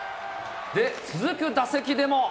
で、続く打席でも。